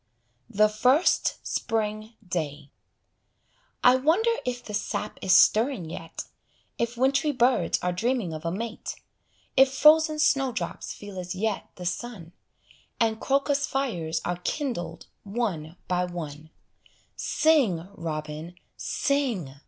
THE FIRST SPRING DAY I wonder if the sap is stirring yet, If wintry birds are dreaming of a mate, If frozen snowdrops feel as yet the sun, And crocus fires are kindled one by one: Sing, robin, sing!